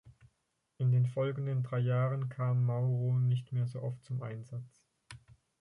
In den folgenden drei Jahren kam Mauro nicht mehr so oft zum Einsatz.